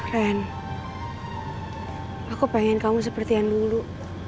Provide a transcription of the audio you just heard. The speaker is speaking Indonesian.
ren aku pengen kamu seperti yang dulu